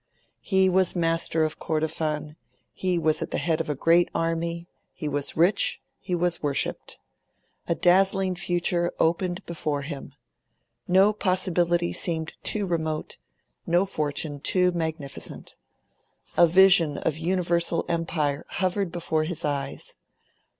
He was master of Kordofan: he was at the head of a great army; he was rich; he was worshipped. A dazzling future opened before him. No possibility seemed too remote, no fortune too magnificent. A vision of universal empire hovered before his eyes.